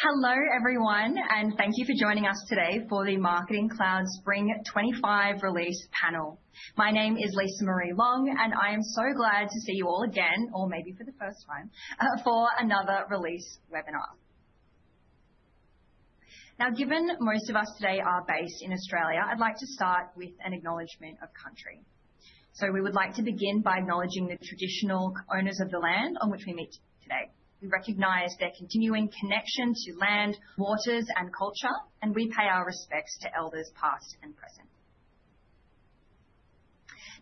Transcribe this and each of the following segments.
Hello, everyone, and thank you for joining us today for the Marketing Cloud Spring '25 Release panel. My name is Lisa-Marie Long, and I am so glad to see you all again, or maybe for the first time, for another release webinar. Now, given most of us today are based in Australia, I'd like to start with an acknowledgment of country. We would like to begin by acknowledging the traditional owners of the land on which we meet today. We recognize their continuing connection to land, waters, and culture, and we pay our respects to elders past and present.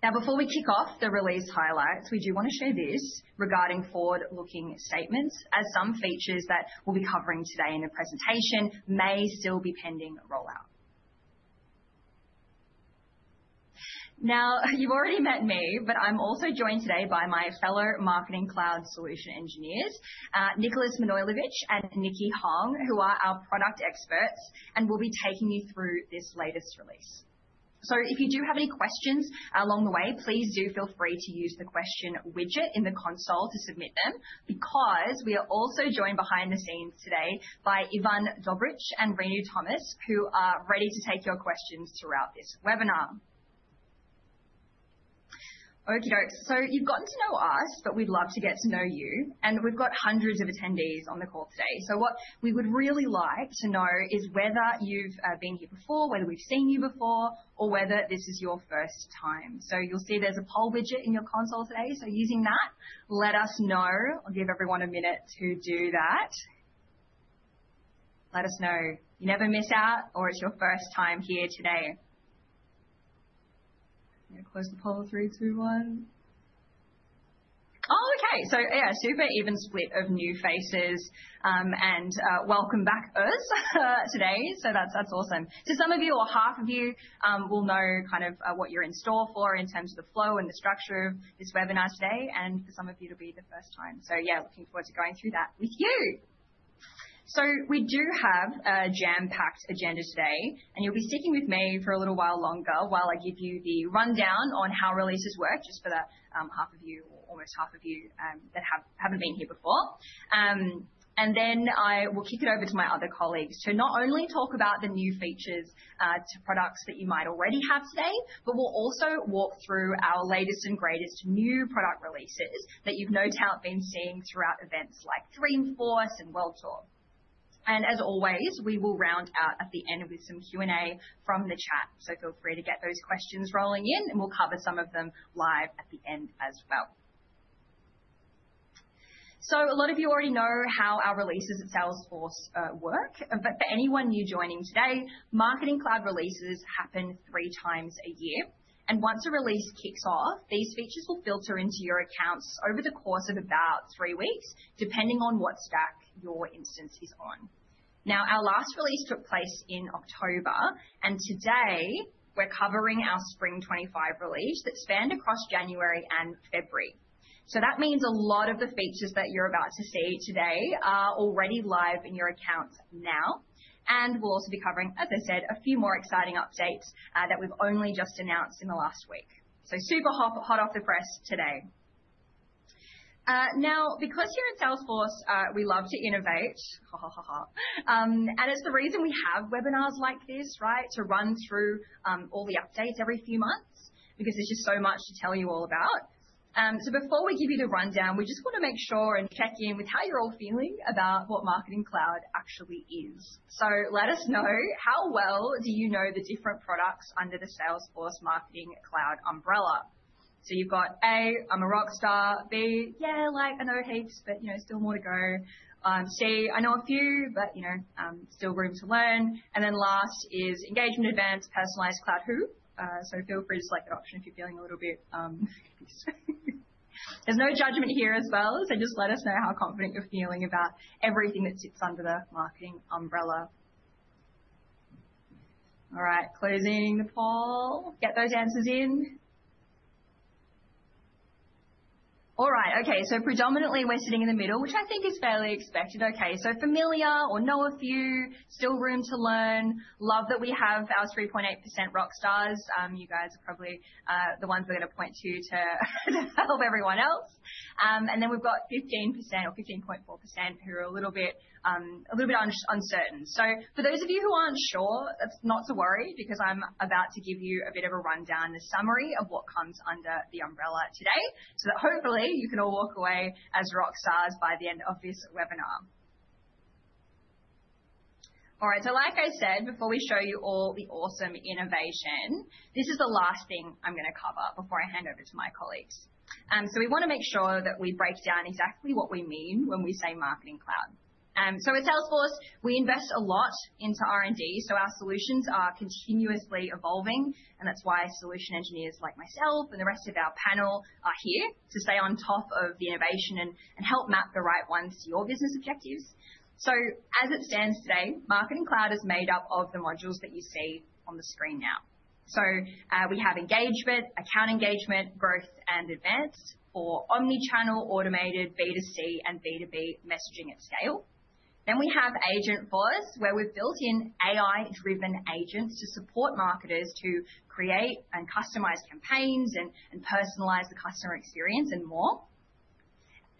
Now, before we kick off the release highlights, we do want to share this regarding forward-looking statements, as some features that we'll be covering today in the presentation may still be pending rollout. Now, you've already met me, but I'm also joined today by my fellow Marketing Cloud Solution Engineers, Nicholas Manojlovic and Nikki Hong, who are our product experts and will be taking you through this latest release. If you do have any questions along the way, please do feel free to use the question widget in the console to submit them, because we are also joined behind the scenes today by Ivan Dobrich and Rainier Thomas, who are ready to take your questions throughout this webinar. Okie doke. You've gotten to know us, but we'd love to get to know you. We've got hundreds of attendees on the call today. What we would really like to know is whether you've been here before, whether we've seen you before, or whether this is your first time. You'll see there's a poll widget in your console today. Using that, let us know. I'll give everyone a minute to do that. Let us know. You never miss out, or it's your first time here today. I'm going to close the poll in three, two, one. Oh, OK. Yeah, super even split of new faces. Welcome back to us today. That's awesome. Some of you, or half of you, will know kind of what you're in store for in terms of the flow and the structure of this webinar today, and for some of you it will be the first time. Yeah, looking forward to going through that with you. We do have a jam-packed agenda today. You'll be sticking with me for a little while longer while I give you the rundown on how releases work, just for the half of you, or almost half of you, that haven't been here before. I will kick it over to my other colleagues to not only talk about the new features to products that you might already have today, but we'll also walk through our latest and greatest new product releases that you've no doubt been seeing throughout events like Dreamforce and World Tour. As always, we will round out at the end with some Q&A from the chat. Feel free to get those questions rolling in, and we'll cover some of them live at the end as well. A lot of you already know how our releases at Salesforce work. For anyone new joining today, Marketing Cloud releases happen three times a year. Once a release kicks off, these features will filter into your accounts over the course of about three weeks, depending on what stack your instance is on. Now, our last release took place in October. Today, we're covering our Spring 2025 release that spanned across January and February. That means a lot of the features that you're about to see today are already live in your accounts now. We'll also be covering, as I said, a few more exciting updates that we've only just announced in the last week. Super hot off the press today. Here at Salesforce, we love to innovate, ha ha ha ha, and it's the reason we have webinars like this, right, to run through all the updates every few months, because there's just so much to tell you all about. Before we give you the rundown, we just want to make sure and check in with how you're all feeling about what Marketing Cloud actually is. Let us know, how well do you know the different products under the Salesforce Marketing Cloud umbrella? You've got A, I'm a rock star; B, yeah, like, I know it heaps, but you know still more to go; C, I know a few, but you know still room to learn. Then last is Engagement Advanced Personalized Cloud Hoop. Feel free to select that option if you're feeling a little bit... There's no judgment here as well. Just let us know how confident you're feeling about everything that sits under the marketing umbrella. All right, closing the poll. Get those answers in. All right, OK. Predominantly, we're sitting in the middle, which I think is fairly expected. OK, so familiar or know a few, still room to learn, love that we have our 3.8% rock stars. You guys are probably the ones we're going to point to to help everyone else. Then we've got 15% or 15.4% who are a little bit uncertain. For those of you who aren't sure, that's not to worry, because I'm about to give you a bit of a rundown, a summary of what comes under the umbrella today, so that hopefully you can all walk away as rock stars by the end of this webinar. All right, like I said, before we show you all the awesome innovation, this is the last thing I'm going to cover before I hand over to my colleagues. We want to make sure that we break down exactly what we mean when we say Marketing Cloud. At Salesforce, we invest a lot into R&D. Our solutions are continuously evolving. That is why solution engineers like myself and the rest of our panel are here to stay on top of the innovation and help map the right ones to your business objectives. As it stands today, Marketing Cloud is made up of the modules that you see on the screen now. We have Engagement, Account Engagement, Growth, and Advanced, for omnichannel automated B2C and B2B messaging at scale. We have Agentforce, where we have built in AI-driven agents to support marketers to create and customize campaigns and personalize the customer experience and more.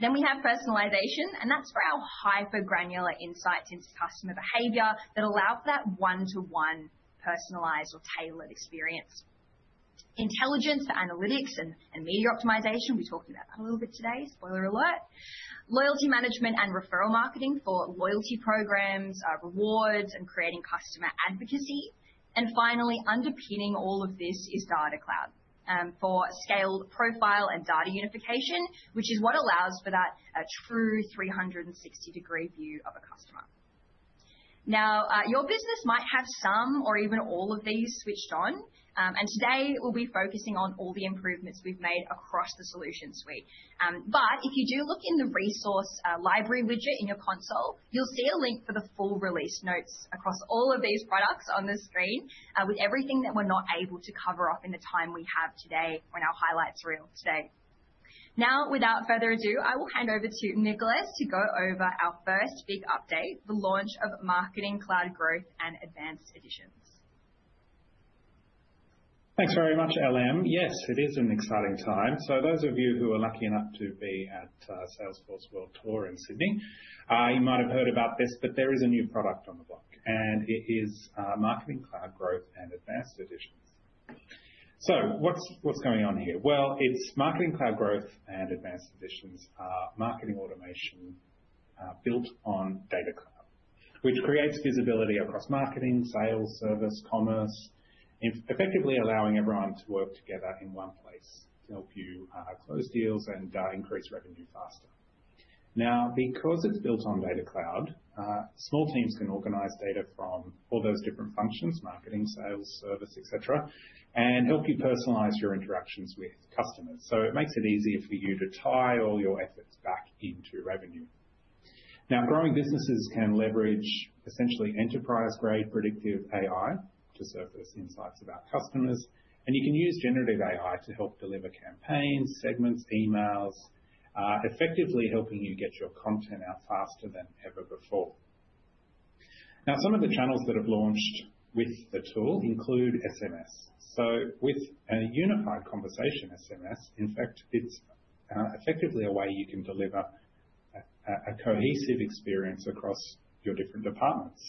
We have Personalization, and that is for our hypergranular insights into customer behavior that allow for that one-to-one personalized or tailored experience. Intelligence for analytics and media optimization, we talked about that a little bit today, spoiler alert. Loyalty Management and Referral Marketing for loyalty programs, rewards, and creating customer advocacy. Finally, underpinning all of this is Data Cloud for scaled profile and data unification, which is what allows for that true 360-degree view of a customer. Now, your business might have some or even all of these switched on. Today, we'll be focusing on all the improvements we've made across the solution suite. If you do look in the resource library widget in your console, you'll see a link for the full release notes across all of these products on the screen, with everything that we're not able to cover off in the time we have today when our highlights are real today. Now, without further ado, I will hand over to Nicholas to go over our first big update, the launch of Marketing Cloud Growth and Advanced Editions. Thanks very much, LM. Yes, it is an exciting time. Those of you who are lucky enough to be at Salesforce World Tour in Sydney, you might have heard about this, but there is a new product on the block. It is Marketing Cloud Growth and Advanced Editions. What's going on here? It is Marketing Cloud Growth and Advanced Editions, marketing automation built on Data Cloud, which creates visibility across marketing, sales, service, commerce, effectively allowing everyone to work together in one place to help you close deals and increase revenue faster. Now, because it's built on Data Cloud, small teams can organize data from all those different functions: marketing, sales, service, et cetera, and help you personalize your interactions with customers. It makes it easier for you to tie all your efforts back into revenue. Now, growing businesses can leverage essentially enterprise-grade predictive AI to surface insights about customers. You can use generative AI to help deliver campaigns, segments, emails, effectively helping you get your content out faster than ever before. Some of the channels that have launched with the tool include SMS. With a Unified Conversation SMS, in fact, it's effectively a way you can deliver a cohesive experience across your different departments.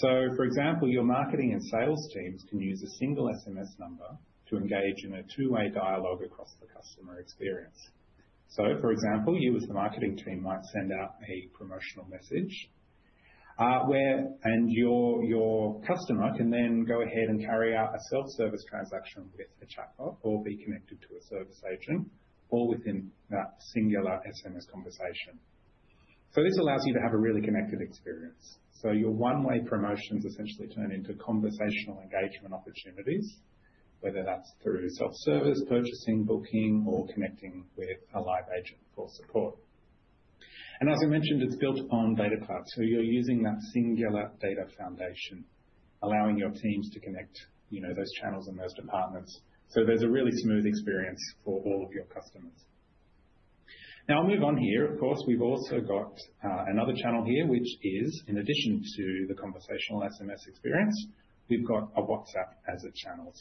For example, your marketing and sales teams can use a single SMS number to engage in a two-way dialogue across the customer experience. For example, you as the marketing team might send out a promotional message, and your customer can then go ahead and carry out a self-service transaction with a chatbot or be connected to a service agent, all within that singular SMS conversation. This allows you to have a really connected experience. Your one-way promotions essentially turn into conversational engagement opportunities, whether that's through self-service, purchasing, booking, or connecting with a live agent for support. As I mentioned, it's built upon Data Cloud. You're using that singular data foundation, allowing your teams to connect those channels in those departments. There's a really smooth experience for all of your customers. I'll move on here. Of course, we've also got another channel here, which is, in addition to the conversational SMS experience, we've got WhatsApp as a channel.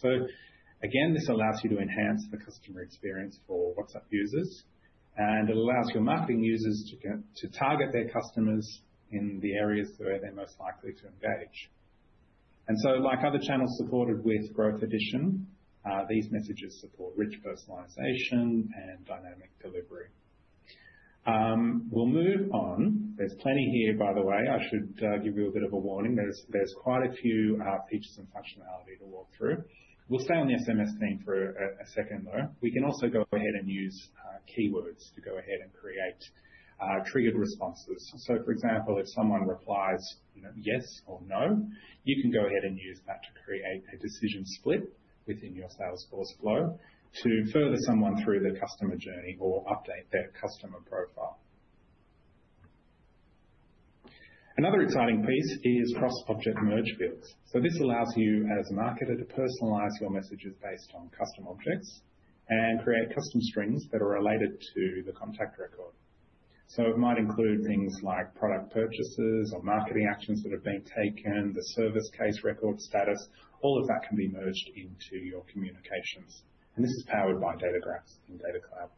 This allows you to enhance the customer experience for WhatsApp users. It allows your marketing users to target their customers in the areas where they're most likely to engage. Like other channels supported with Growth Edition, these messages support rich personalization and dynamic delivery. We'll move on. There's plenty here, by the way. I should give you a bit of a warning. There's quite a few features and functionality to walk through. We'll stay on the SMS theme for a second, though. We can also go ahead and use keywords to go ahead and create triggered responses. For example, if someone replies yes or no, you can go ahead and use that to create a decision split within your Salesforce flow to further someone through the customer journey or update their customer profile. Another exciting piece is cross-object merge fields. This allows you as a marketer to personalize your messages based on custom objects and create custom strings that are related to the contact record. It might include things like product purchases or marketing actions that have been taken, the service case record status. All of that can be merged into your communications. This is powered by Data Graphs in Data Cloud.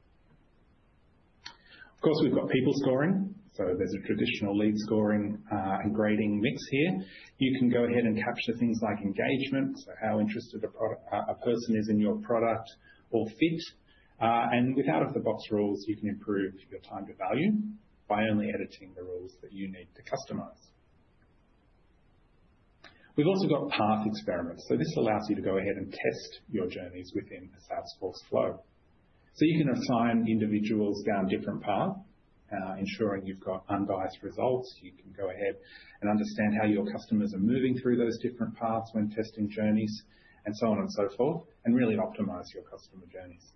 Of course, we've got people scoring. There is a traditional lead scoring and grading mix here. You can go ahead and capture things like engagement, so how interested a person is in your product, or fit. With out-of-the-box rules, you can improve your time to value by only editing the rules that you need to customize. We've also got path experiments. This allows you to go ahead and test your journeys within a Salesforce flow. You can assign individuals down different paths, ensuring you've got unbiased results. You can go ahead and understand how your customers are moving through those different paths when testing journeys, and so on and so forth, and really optimize your customer journeys.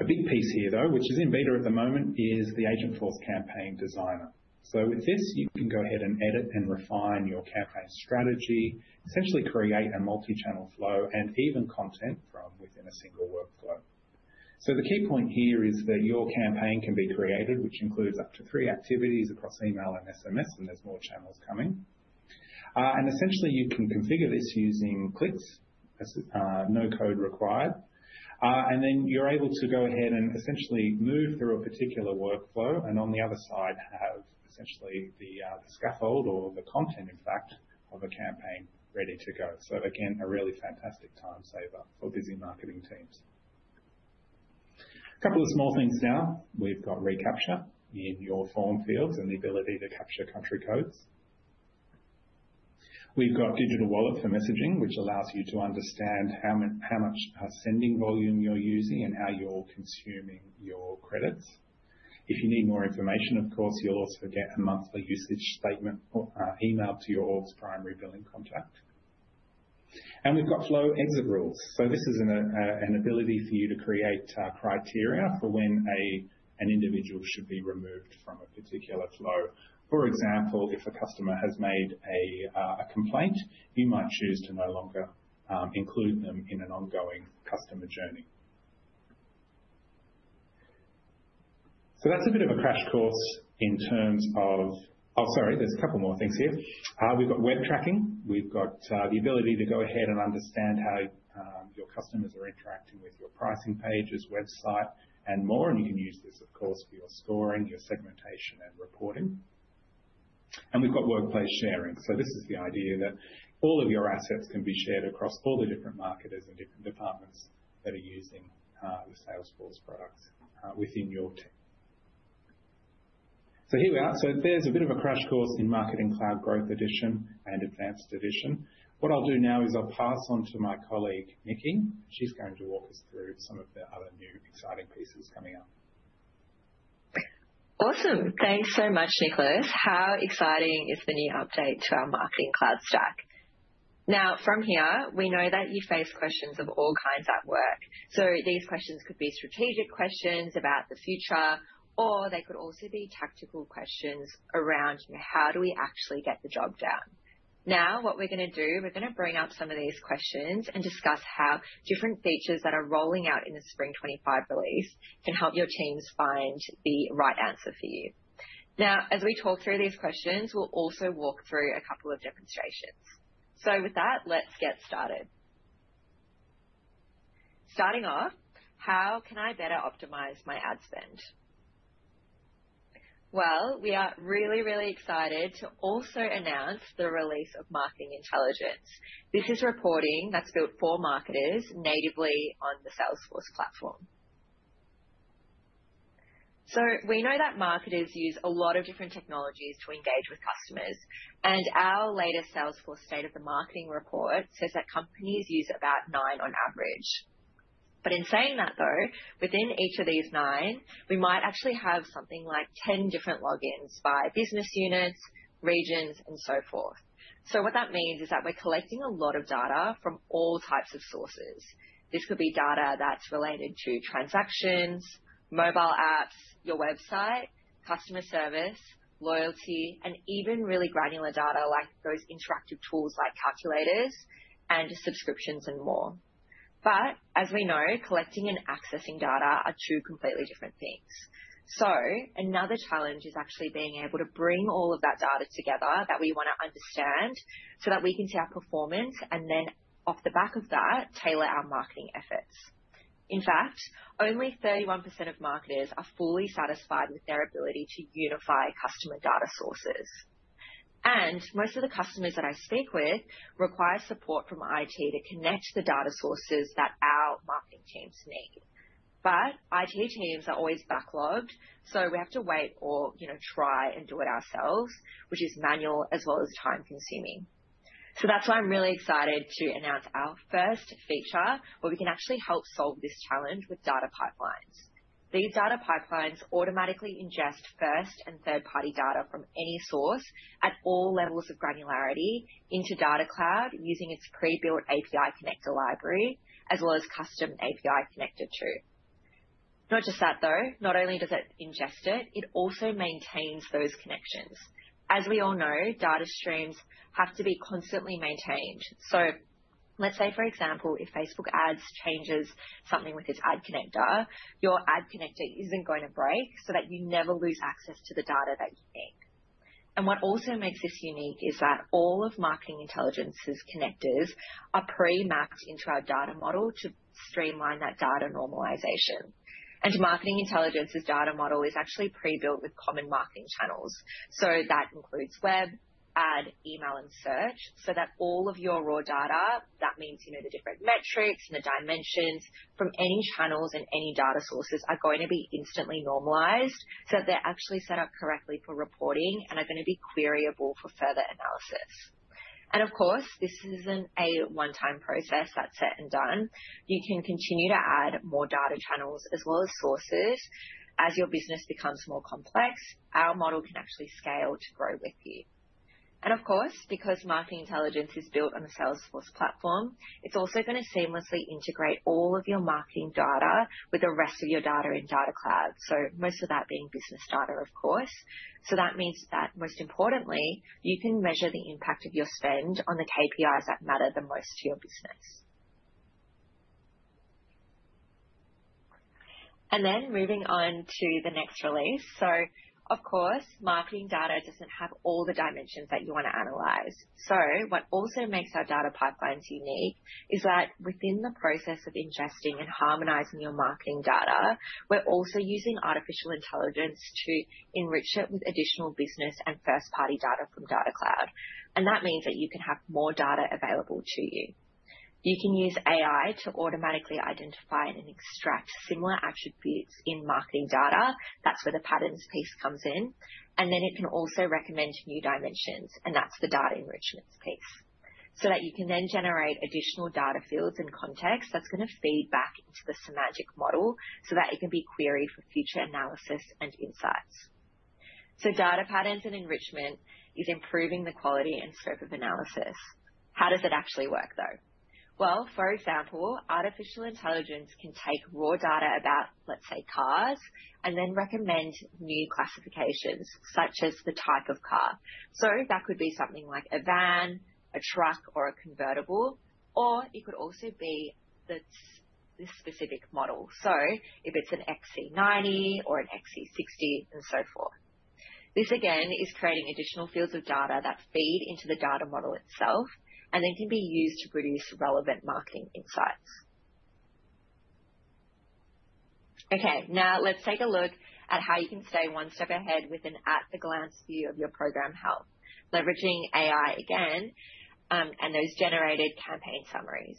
A big piece here, though, which is in beta at the moment, is the Agentforce Campaign Designer. With this, you can go ahead and edit and refine your campaign strategy, essentially create a multi-channel flow and even content from within a single workflow. The key point here is that your campaign can be created, which includes up to three activities across email and SMS, and there are more channels coming. Essentially, you can configure this using clicks, no code required. You are able to go ahead and essentially move through a particular workflow and on the other side have essentially the scaffold or the content, in fact, of a campaign ready to go. Again, a really fantastic time saver for busy marketing teams. A couple of small things now. We have recapture in your form fields and the ability to capture country codes. We've got Digital Wallet for messaging, which allows you to understand how much sending volume you're using and how you're consuming your credits. If you need more information, of course, you'll also get a monthly usage statement emailed to your primary billing contact. We've got Flow Exit Rules. This is an ability for you to create criteria for when an individual should be removed from a particular flow. For example, if a customer has made a complaint, you might choose to no longer include them in an ongoing customer journey. That's a bit of a crash course in terms of, oh, sorry, there's a couple more things here. We've got Web Tracking. We've got the ability to go ahead and understand how your customers are interacting with your pricing pages, website, and more. You can use this, of course, for your scoring, your segmentation, and reporting. We have Workplace Sharing. This is the idea that all of your assets can be shared across all the different marketers and different departments that are using the Salesforce products within your team. Here we are. There is a bit of a crash course in Marketing Cloud Growth Edition and Advanced Edition. What I'll do now is pass on to my colleague, Nikki. She's going to walk us through some of the other new exciting pieces coming up. Awesome. Thanks so much, Nicholas. How exciting is the new update to our Marketing Cloud stack? Now, from here, we know that you face questions of all kinds at work. These questions could be strategic questions about the future, or they could also be tactical questions around how do we actually get the job done. Now, what we're going to do, we're going to bring up some of these questions and discuss how different features that are rolling out in the Spring 2025 release can help your teams find the right answer for you. As we talk through these questions, we'll also walk through a couple of demonstrations. With that, let's get started. Starting off, how can I better optimize my ad spend? We are really, really excited to also announce the release of Marketing Intelligence. This is reporting that's built for marketers natively on the Salesforce platform. We know that marketers use a lot of different technologies to engage with customers. Our latest Salesforce State of the Marketing report says that companies use about nine on average. In saying that, though, within each of these nine, we might actually have something like 10 different logins by business units, regions, and so forth. What that means is that we're collecting a lot of data from all types of sources. This could be data that's related to transactions, mobile apps, your website, customer service, loyalty, and even really granular data like those interactive tools like calculators and subscriptions and more. As we know, collecting and accessing data are two completely different things. Another challenge is actually being able to bring all of that data together that we want to understand so that we can see our performance and then, off the back of that, tailor our marketing efforts. In fact, only 31% of marketers are fully satisfied with their ability to unify customer data sources. Most of the customers that I speak with require support from IT to connect the data sources that our marketing teams need. IT teams are always backlogged, so we have to wait or try and do it ourselves, which is manual as well as time-consuming. That is why I am really excited to announce our first feature where we can actually help solve this challenge with data pipelines. These data pipelines automatically ingest first and third-party data from any source at all levels of granularity into Data Cloud using its pre-built API connector library, as well as custom API connector too. Not just that, though. Not only does it ingest it, it also maintains those connections. As we all know, data streams have to be constantly maintained. Let's say, for example, if Facebook Ads changes something with its ad connector, your ad connector is not going to break so that you never lose access to the data that you need. What also makes this unique is that all of Marketing Intelligence's connectors are pre-mapped into our data model to streamline that data normalization. Marketing Intelligence's data model is actually pre-built with common marketing channels. That includes web, ad, email, and search so that all of your raw data—that means the different metrics and the dimensions—from any channels and any data sources are going to be instantly normalized so that they're actually set up correctly for reporting and are going to be queryable for further analysis. Of course, this isn't a one-time process that's set and done. You can continue to add more data channels as well as sources. As your business becomes more complex, our model can actually scale to grow with you. Of course, because Marketing Intelligence is built on the Salesforce platform, it's also going to seamlessly integrate all of your marketing data with the rest of your data in Data Cloud. Most of that being business data, of course. That means that most importantly, you can measure the impact of your spend on the KPIs that matter the most to your business. Moving on to the next release. Of course, marketing data does not have all the dimensions that you want to analyze. What also makes our data pipelines unique is that within the process of ingesting and harmonizing your marketing data, we are also using artificial intelligence to enrich it with additional business and first-party data from Data Cloud. That means that you can have more data available to you. You can use AI to automatically identify and extract similar attributes in marketing data. That is where the patterns piece comes in. It can also recommend new dimensions, and that is the data enrichments piece. That you can then generate additional data fields and context that's going to feed back into the semantic model so that it can be queried for future analysis and insights. Data patterns and enrichment is improving the quality and scope of analysis. How does it actually work, though? For example, artificial intelligence can take raw data about, let's say, cars and then recommend new classifications such as the type of car. That could be something like a van, a truck, or a convertible. Or it could also be this specific model. If it's an XC90 or an XC60 and so forth. This, again, is creating additional fields of data that feed into the data model itself and then can be used to produce relevant marketing insights. Okay. Now, let's take a look at how you can stay one step ahead with an at-the-glance view of your program health, leveraging AI again and those generated campaign summaries.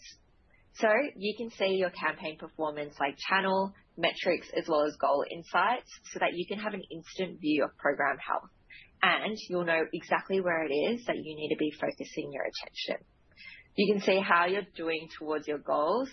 You can see your campaign performance like channel, metrics, as well as goal insights so that you can have an instant view of program health. You'll know exactly where it is that you need to be focusing your attention. You can see how you're doing towards your goals.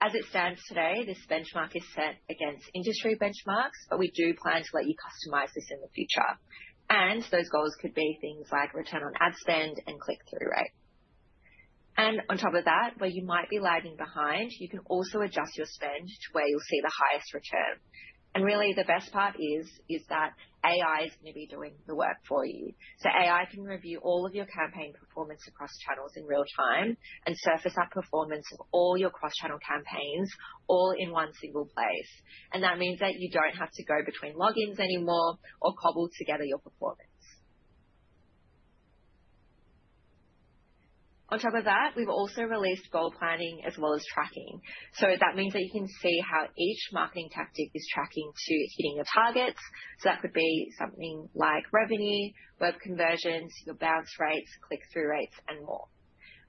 As it stands today, this benchmark is set against industry benchmarks, but we do plan to let you customize this in the future. Those goals could be things like return on ad spend and click-through rate. On top of that, where you might be lagging behind, you can also adjust your spend to where you'll see the highest return. Really, the best part is that AI is going to be doing the work for you. AI can review all of your campaign performance across channels in real time and surface up performance of all your cross-channel campaigns all in one single place. That means that you don't have to go between logins anymore or cobble together your performance. On top of that, we've also released goal planning as well as tracking. That means that you can see how each marketing tactic is tracking to hitting your targets. That could be something like revenue, web conversions, your bounce rates, click-through rates, and more.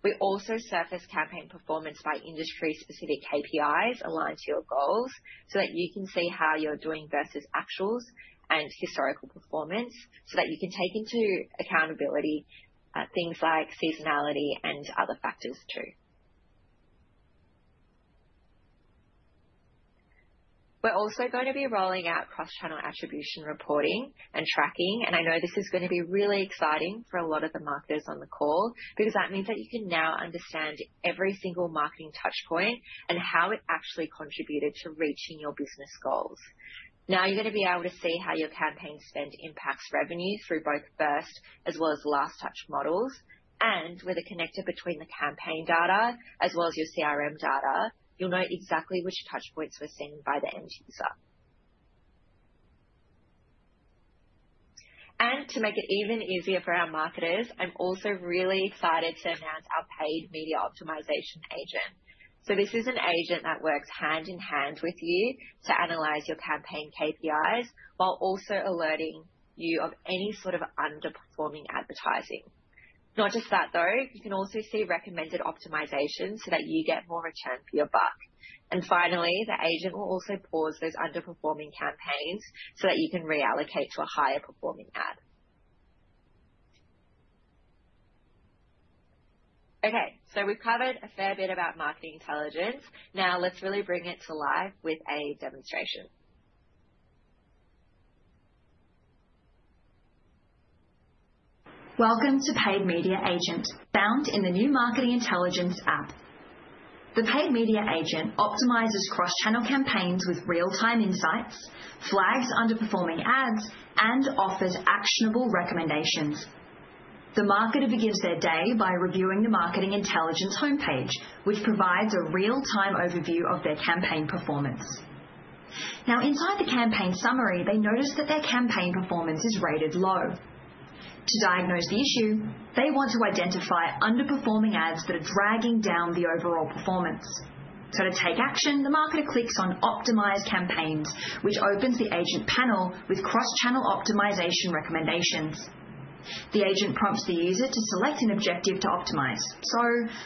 We also surface campaign performance by industry-specific KPIs aligned to your goals so that you can see how you're doing versus actuals and historical performance so that you can take into accountability things like seasonality and other factors too. We're also going to be rolling out cross-channel attribution reporting and tracking. I know this is going to be really exciting for a lot of the marketers on the call because that means that you can now understand every single marketing touchpoint and how it actually contributed to reaching your business goals. Now, you're going to be able to see how your campaign spend impacts revenue through both first as well as last touch models. With a connector between the campaign data as well as your CRM data, you'll know exactly which touchpoints were seen by the end user. To make it even easier for our marketers, I'm also really excited to announce our Paid Media Optimization Agent. This is an agent that works hand in hand with you to analyze your campaign KPIs while also alerting you of any sort of underperforming advertising. Not just that, though. You can also see recommended optimizations so that you get more return for your buck. Finally, the agent will also pause those underperforming campaigns so that you can reallocate to a higher-performing ad. Okay. We've covered a fair bit about marketing intelligence. Now, let's really bring it to life with a demonstration. Welcome to Paid Media Agent, found in the new Marketing Intelligence app. The Paid Media Agent optimizes cross-channel campaigns with real-time insights, flags underperforming ads, and offers actionable recommendations. The marketer begins their day by reviewing the Marketing Intelligence homepage, which provides a real-time overview of their campaign performance. Now, inside the campaign summary, they notice that their campaign performance is rated low. To diagnose the issue, they want to identify underperforming ads that are dragging down the overall performance. To take action, the marketer clicks on Optimize Campaigns, which opens the agent panel with cross-channel optimization recommendations. The agent prompts the user to select an objective to optimize.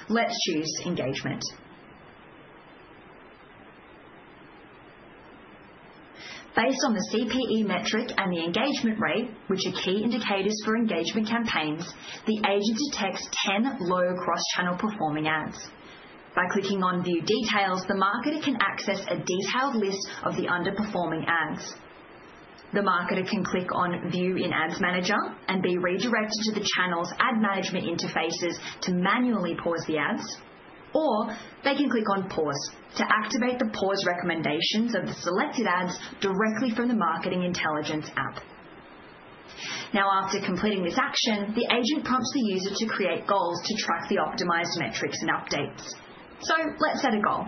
Let's choose Engagement. Based on the CPE metric and the engagement rate, which are key indicators for engagement campaigns, the agent detects 10 low cross-channel performing ads. By clicking on View Details, the marketer can access a detailed list of the underperforming ads. The marketer can click on View in Ads Manager and be redirected to the channel's ad management interfaces to manually pause the ads. They can click on Pause to activate the pause recommendations of the selected ads directly from the Marketing Intelligence app. After completing this action, the agent prompts the user to create goals to track the optimized metrics and updates. Let's set a goal.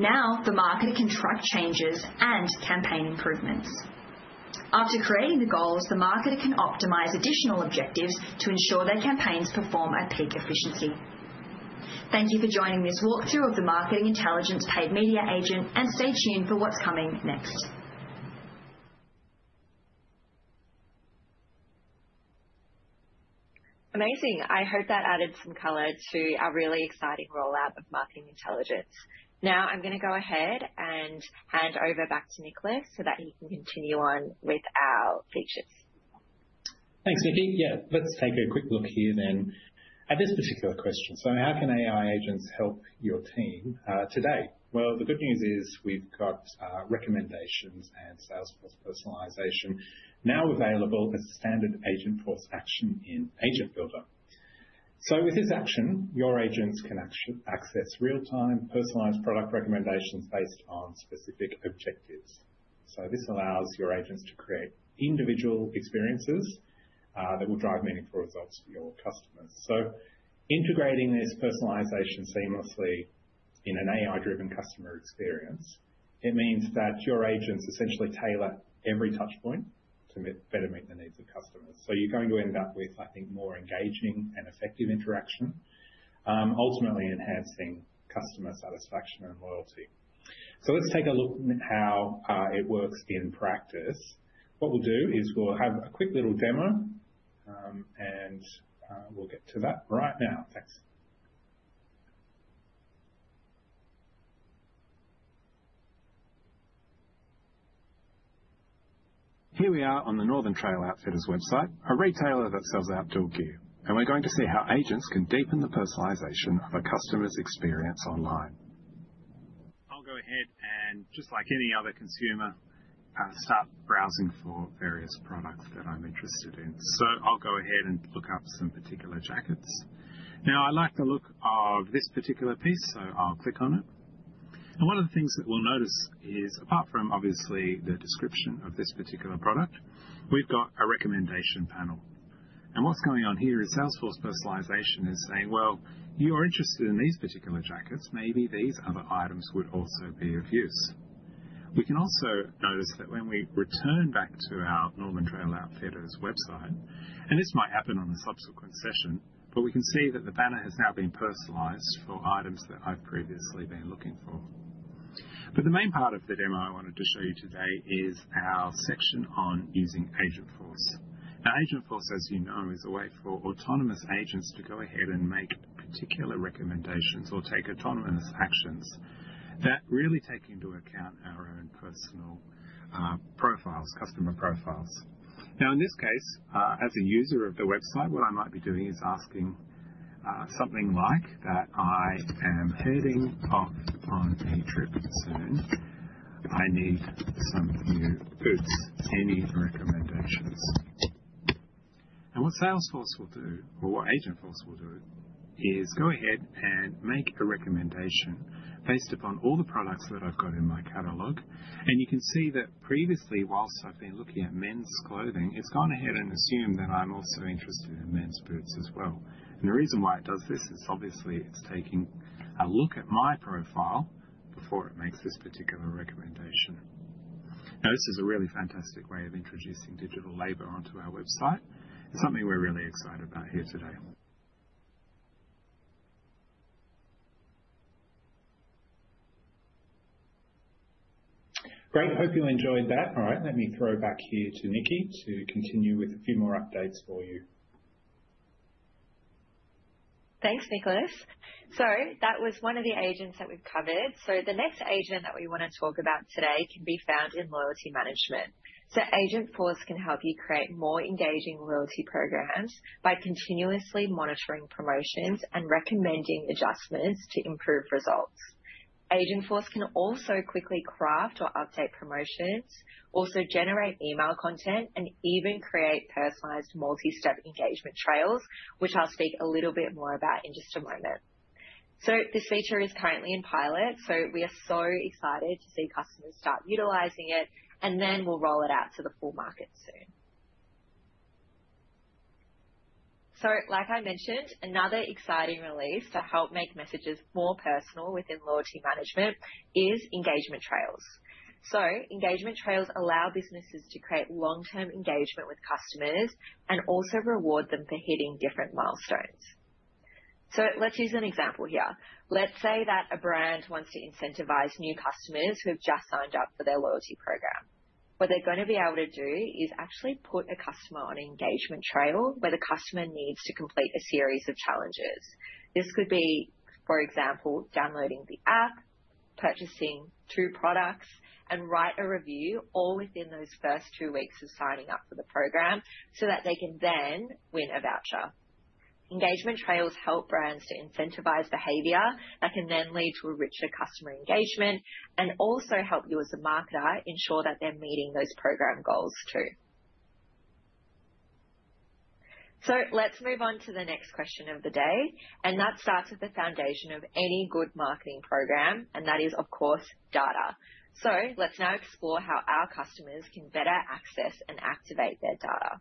The marketer can track changes and campaign improvements. After creating the goals, the marketer can optimize additional objectives to ensure their campaigns perform at peak efficiency. Thank you for joining this walkthrough of the Marketing Intelligence Paid Media Agent, and stay tuned for what's coming next. Amazing. I hope that added some color to our really exciting rollout of Marketing Intelligence. Now, I'm going to go ahead and hand over back to Nicholas so that he can continue on with our features. Thanks, Nikki. Yeah, let's take a quick look here then at this particular question. How can AI agents help your team today? The good news is we've got recommendations and Salesforce Personalization now available as a standard Agentforce action in Agent Builder. With this action, your agents can access real-time personalized product recommendations based on specific objectives. This allows your agents to create individual experiences that will drive meaningful results for your customers. Integrating this personalization seamlessly in an AI-driven customer experience means that your agents essentially tailor every touchpoint to better meet the needs of customers. You're going to end up with, I think, more engaging and effective interaction, ultimately enhancing customer satisfaction and loyalty. Let's take a look at how it works in practice. What we'll do is we'll have a quick little demo, and we'll get to that right now. Thanks. Here we are on the Northern Trail Outfitters website, a retailer that sells outdoor gear. We are going to see how agents can deepen the personalization of a customer's experience online. I'll go ahead and, just like any other consumer, start browsing for various products that I'm interested in. I'll go ahead and look up some particular jackets. I like the look of this particular piece, so I'll click on it. One of the things that we'll notice is, apart from obviously the description of this particular product, we've got a recommendation panel. What's going on here is Salesforce Personalization is saying, "Well, you are interested in these particular jackets. Maybe these other items would also be of use." We can also notice that when we return back to our Northern Trail Outfitters website, and this might happen on a subsequent session, we can see that the banner has now been personalized for items that I've previously been looking for. The main part of the demo I wanted to show you today is our section on using Agentforce. Now, Agentforce, as you know, is a way for autonomous agents to go ahead and make particular recommendations or take autonomous actions that really take into account our own personal profiles, customer profiles. In this case, as a user of the website, what I might be doing is asking something like, "I am heading off on a trip soon. I need some new boots. Any recommendations?" What Salesforce will do, or what Agentforce will do, is go ahead and make a recommendation based upon all the products that I've got in my catalog. You can see that previously, whilst I've been looking at men's clothing, it's gone ahead and assumed that I'm also interested in men's boots as well. The reason why it does this is obviously it's taking a look at my profile before it makes this particular recommendation. Now, this is a really fantastic way of introducing digital labor onto our website. It's something we're really excited about here today. Great. I hope you enjoyed that. All right. Let me throw back here to Nikki to continue with a few more updates for you. Thanks, Nicholas. That was one of the agents that we've covered. The next agent that we want to talk about today can be found in Loyalty Management. Agentforce can help you create more engaging loyalty programs by continuously monitoring promotions and recommending adjustments to improve results. Agentforce can also quickly craft or update promotions, also generate email content, and even create personalized multi-step engagement trails, which I'll speak a little bit more about in just a moment. This feature is currently in pilot, so we are so excited to see customers start utilizing it, and then we'll roll it out to the full market soon. Like I mentioned, another exciting release to help make messages more personal within Loyalty Management is Engagement Trails. Engagement Trails allow businesses to create long-term engagement with customers and also reward them for hitting different milestones. Let's use an example here. Let's say that a brand wants to incentivize new customers who have just signed up for their loyalty program. What they're going to be able to do is actually put a customer on an engagement trail where the customer needs to complete a series of challenges. This could be, for example, downloading the app, purchasing two products, and write a review all within those first two weeks of signing up for the program so that they can then win a voucher. Engagement Trails help brands to incentivize behavior that can then lead to a richer customer engagement and also help you as a marketer ensure that they're meeting those program goals too. Let's move on to the next question of the day. That starts with the foundation of any good marketing program, and that is, of course, data. Let's now explore how our customers can better access and activate their data.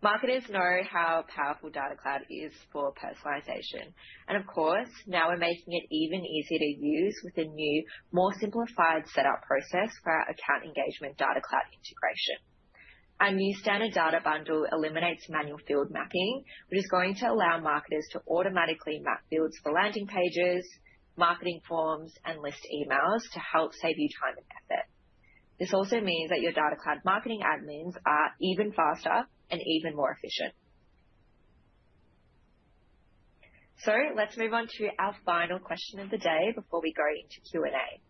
Marketers know how powerful Data Cloud is for personalization. Of course, now we're making it even easier to use with a new, more simplified setup process for our Account Engagement Data Cloud integration. Our new Standard Data Bundle eliminates manual field mapping, which is going to allow marketers to automatically map fields for landing pages, marketing forms, and list emails to help save you time and effort. This also means that your Data Cloud marketing admins are even faster and even more efficient. Let's move on to our final question of the day before we go into Q&A.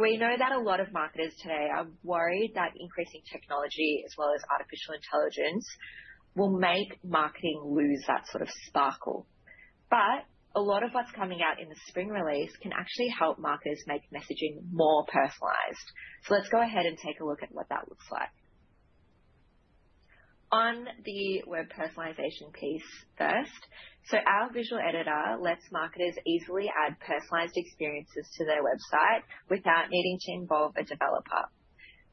We know that a lot of marketers today are worried that increasing technology, as well as artificial intelligence, will make marketing lose that sort of sparkle. A lot of what's coming out in the spring release can actually help marketers make messaging more personalized. Let's go ahead and take a look at what that looks like. On the web personalization piece first, our Visual Editor lets marketers easily add personalized experiences to their website without needing to involve a developer.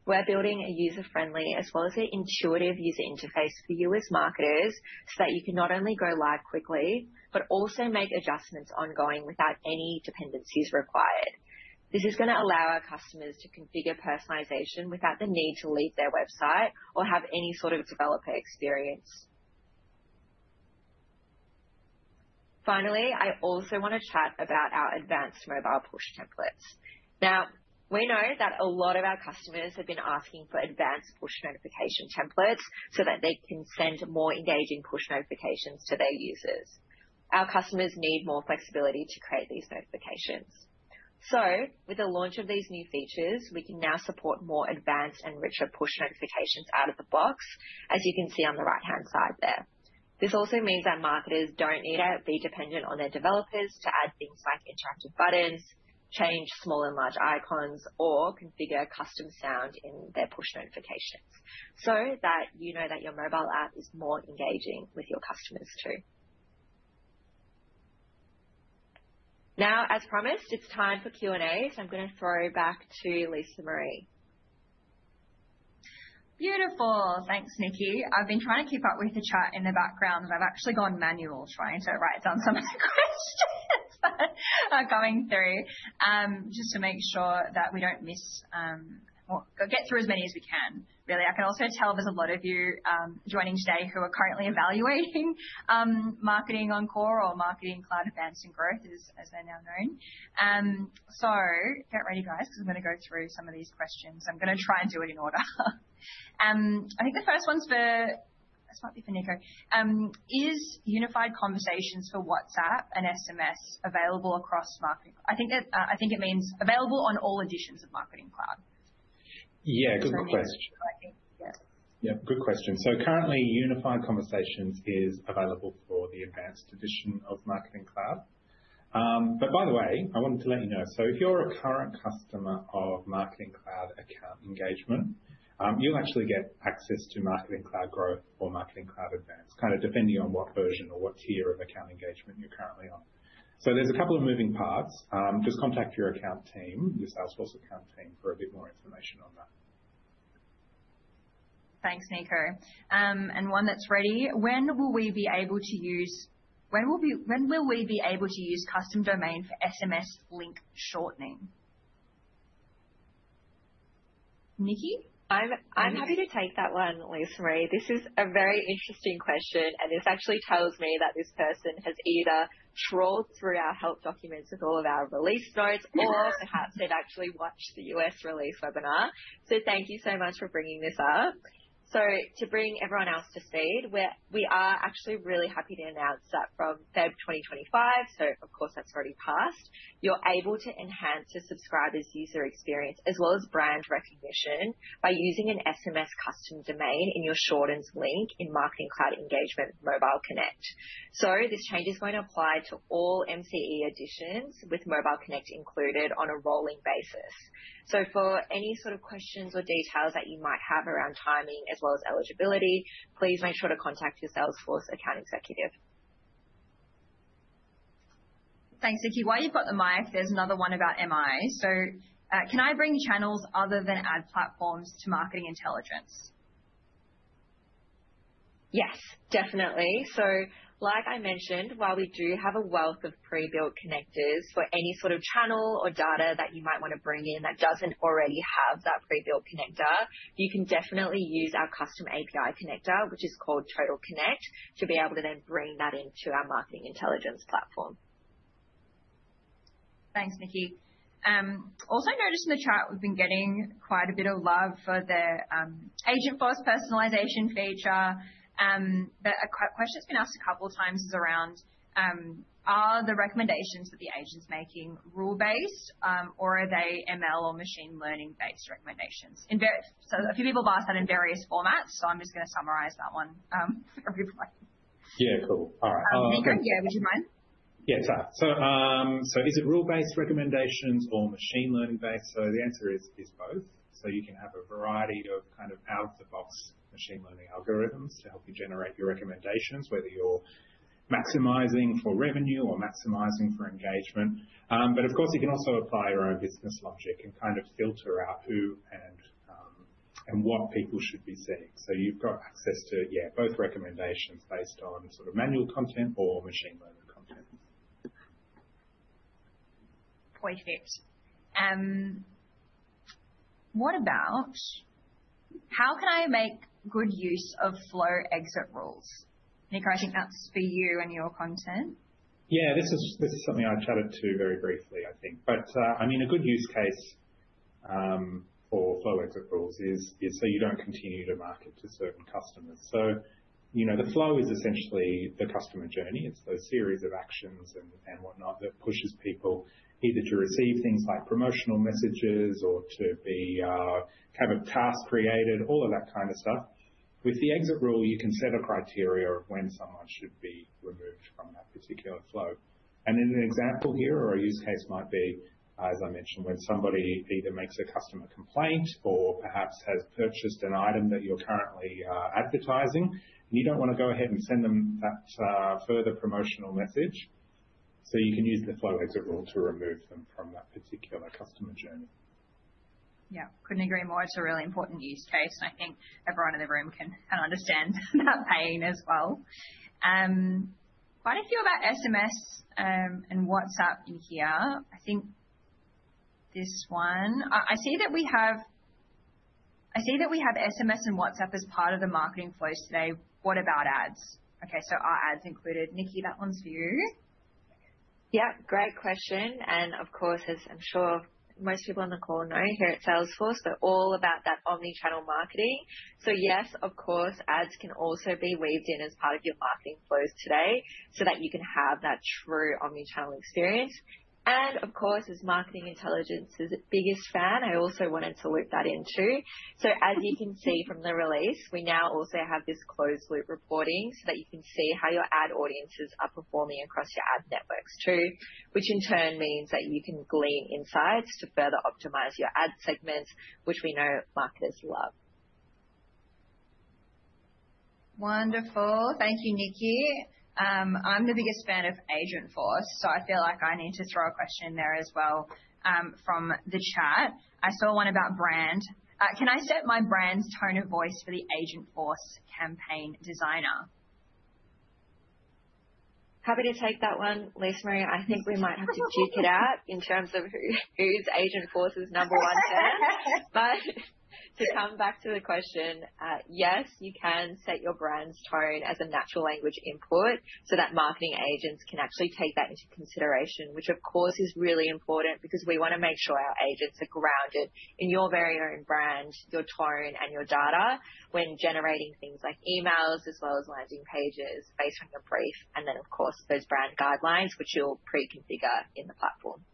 We're building a user-friendly as well as an intuitive user interface for you as marketers so that you can not only go live quickly, but also make adjustments ongoing without any dependencies required. This is going to allow our customers to configure personalization without the need to leave their website or have any sort of developer experience. Finally, I also want to chat about our advanced mobile push templates. Now, we know that a lot of our customers have been asking for advanced push notification templates so that they can send more engaging push notifications to their users. Our customers need more flexibility to create these notifications. With the launch of these new features, we can now support more advanced and richer push notifications out of the box, as you can see on the right-hand side there. This also means that marketers do not need to be dependent on their developers to add things like interactive buttons, change small and large icons, or configure custom sound in their push notifications so that you know that your mobile app is more engaging with your customers too. Now, as promised, it is time for Q&A, so I am going to throw back to Lisa-Marie. Beautiful. Thanks, Nikki. I've been trying to keep up with the chat in the background, and I've actually gone manual trying to write down some of the questions that are coming through just to make sure that we don't miss or get through as many as we can, really. I can also tell there's a lot of you joining today who are currently evaluating Marketing Cloud Advanced and Growth, as they're now known. Get ready, guys, because I'm going to go through some of these questions. I'm going to try and do it in order. I think the first one might be for Nicho. Is Unified Conversations for WhatsApp and SMS available across marketing? I think it means available on all editions of Marketing Cloud. Yeah, good question. Currently, Unified Conversations is available for the advanced edition of Marketing Cloud. By the way, I wanted to let you know, if you're a current customer of Marketing Cloud Account Engagement, you'll actually get access to Marketing Cloud Growth or Marketing Cloud Advanced, kind of depending on what version or what tier of Account Engagement you're currently on. There's a couple of moving parts. Just contact your account team, your Salesforce account team, for a bit more information on that. Thanks, Nicho. And one that's ready. When will we be able to use custom domain for SMS link shortening? Nikki. I'm happy to take that one, Lisa-Marie. This is a very interesting question, and this actually tells me that this person has either trawled through our help documents with all of our release notes or perhaps they've actually watched the US release webinar. Thank you so much for bringing this up. To bring everyone else to speed, we are actually really happy to announce that from February 2025, so of course, that's already passed, you're able to enhance your subscriber's user experience as well as brand recognition by using an SMS custom domain in your shortened link in Marketing Cloud Engagement MobileConnect. This change is going to apply to all MCE editions with MobileConnect included on a rolling basis. For any sort of questions or details that you might have around timing as well as eligibility, please make sure to contact your Salesforce account executive. Thanks, Nikki. While you've got the mic, there's another one about MI. Can I bring channels other than ad platforms to Marketing Intelligence? Yes, definitely. Like I mentioned, while we do have a wealth of pre-built connectors for any sort of channel or data that you might want to bring in that does not already have that pre-built connector, you can definitely use our custom API connector, which is called TotalConnect, to be able to then bring that into our Marketing Intelligence platform. Thanks, Nikki. Also noticed in the chat, we've been getting quite a bit of love for the Agentforce personalization feature. A question that's been asked a couple of times is around, are the recommendations that the agent's making rule-based, or are they ML or machine learning-based recommendations? A few people have asked that in various formats, so I'm just going to summarize that one for everybody. Yeah, cool. All right. Nicho, yeah, would you mind? Yeah, it's all right. Is it rule-based recommendations or machine learning-based? The answer is both. You can have a variety of kind of out-of-the-box machine learning algorithms to help you generate your recommendations, whether you're maximizing for revenue or maximizing for engagement. Of course, you can also apply your own business logic and kind of filter out who and what people should be seeing. You've got access to both recommendations based on sort of manual content or machine learning content. Quite fit. What about, how can I make good use of Flow Exit Rules? Nicho, I think that's for you and your content. Yeah, this is something I chatted to very briefly, I think. I mean, a good use case for Flow Exit Rules is so you don't continue to market to certain customers. The flow is essentially the customer journey. It's those series of actions and whatnot that pushes people either to receive things like promotional messages or to have a task created, all of that kind of stuff. With the exit rule, you can set a criteria of when someone should be removed from that particular flow. In an example here, or a use case might be, as I mentioned, when somebody either makes a customer complaint or perhaps has purchased an item that you're currently advertising, and you don't want to go ahead and send them that further promotional message. You can use the flow exit rule to remove them from that particular customer journey. Yeah, couldn't agree more. It's a really important use case. I think everyone in the room can understand that pain as well. Quite a few about SMS and WhatsApp in here. I think this one. I see that we have SMS and WhatsApp as part of the marketing flows today. What about ads? Okay, so are ads included? Nikki, that one's for you. Yeah, great question. Of course, as I'm sure most people on the call know, here at Salesforce, they're all about that omnichannel marketing. Yes, of course, ads can also be weaved in as part of your marketing flows today so that you can have that true omnichannel experience. As Marketing Intelligence is its biggest fan, I also wanted to loop that in too. As you can see from the release, we now also have this closed-loop reporting so that you can see how your ad audiences are performing across your ad networks too, which in turn means that you can glean insights to further optimize your ad segments, which we know marketers love. Wonderful. Thank you, Nikki. I'm the biggest fan of Agentforce, so I feel like I need to throw a question in there as well from the chat. I saw one about brand. Can I set my brand's tone of voice for the Agentforce Campaign Designer? Happy to take that one, Lisa-Marie. I think we might have to duke it out in terms of who's Agentforce's number one fan. To come back to the question, yes, you can set your brand's tone as a natural language input so that marketing agents can actually take that into consideration, which of course is really important because we want to make sure our agents are grounded in your very own brand, your tone, and your data when generating things like emails as well as landing pages based on your brief and then, of course, those brand guidelines, which you'll pre-configure in the platform.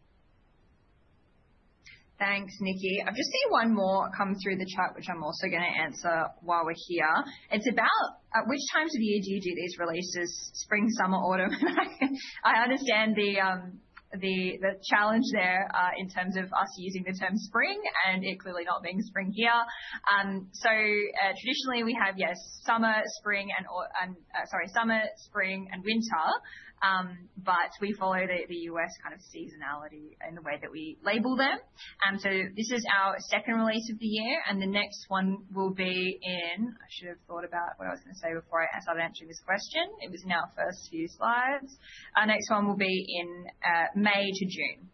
Thanks, Nikki. I've just seen one more come through the chat, which I'm also going to answer while we're here. It's about, at which times of the year do you do these releases? Spring, summer, autumn. I understand the challenge there in terms of us using the term spring and it clearly not being spring here. Traditionally, we have, yes, summer, spring, and winter, but we follow the U.S. kind of seasonality in the way that we label them. This is our second release of the year, and the next one will be in I should have thought about what I was going to say before I asked I've answered this question. It was in our first few slides. Our next one will be in May to June.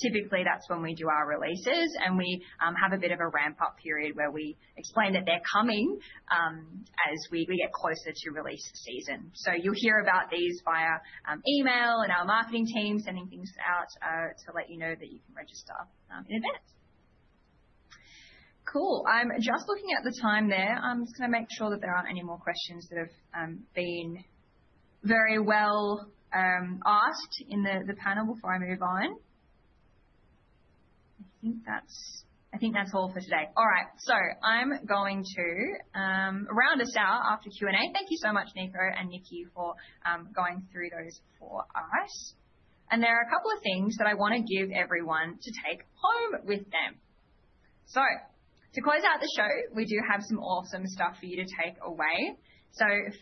Typically, that's when we do our releases, and we have a bit of a ramp-up period where we explain that they're coming as we get closer to release season. You'll hear about these via email and our marketing team sending things out to let you know that you can register in advance. Cool. I'm just looking at the time there. I'm just going to make sure that there aren't any more questions that have been very well asked in the panel before I move on. I think that's all for today. All right, I'm going to round us out after Q&A. Thank you so much, Nicholas and Nikki, for going through those for us. There are a couple of things that I want to give everyone to take home with them. To close out the show, we do have some awesome stuff for you to take away.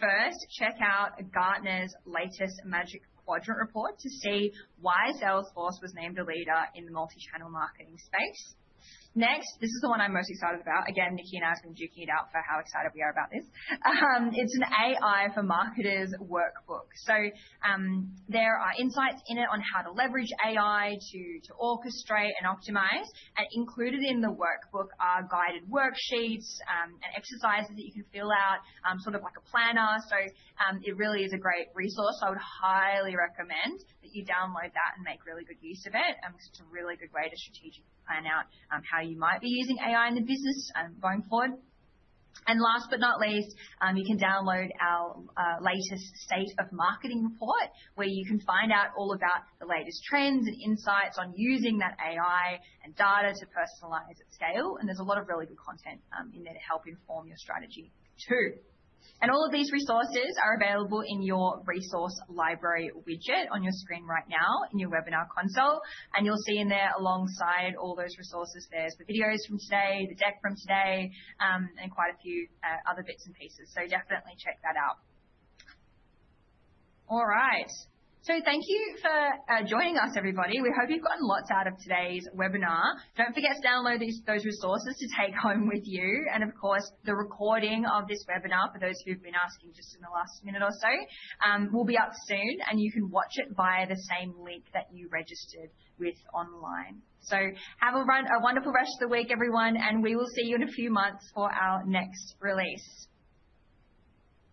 First, check out Gartner's latest Magic Quadrant report to see why Salesforce was named a leader in the multi-channel marketing space. Next, this is the one I'm most excited about. Again, Nikki and I have been duking it out for how excited we are about this. It's an AI for Marketers Workbook. There are insights in it on how to leverage AI to orchestrate and optimize. Included in the workbook are guided worksheets and exercises that you can fill out, sort of like a planner. It really is a great resource. I would highly recommend that you download that and make really good use of it because it's a really good way to strategically plan out how you might be using AI in the business going forward. Last but not least, you can download our latest State of Marketing report where you can find out all about the latest trends and insights on using that AI and data to personalize at scale. There is a lot of really good content in there to help inform your strategy too. All of these resources are available in your resource library widget on your screen right now in your webinar console. You will see in there alongside all those resources, there are the videos from today, the deck from today, and quite a few other bits and pieces. Definitely check that out. All right. Thank you for joining us, everybody. We hope you have gotten lots out of today's webinar. Do not forget to download those resources to take home with you. The recording of this webinar for those who've been asking just in the last minute or so will be up soon, and you can watch it via the same link that you registered with online. Have a wonderful rest of the week, everyone, and we will see you in a few months for our next release.